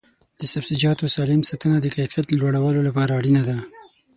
د سبزیجاتو سالم ساتنه د کیفیت لوړولو لپاره اړینه ده.